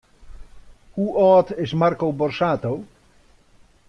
Hoe âld is Marco Borsato?